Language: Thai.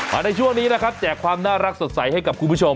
ในช่วงนี้นะครับแจกความน่ารักสดใสให้กับคุณผู้ชม